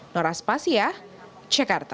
noras pas ya cekarta